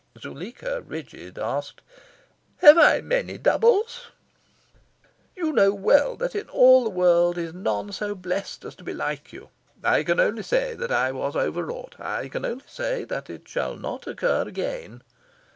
Zuleika, rigid, asked "Have I many doubles?" "You know well that in all the world is none so blest as to be like you. I can only say that I was over wrought. I can only say that it shall not occur again."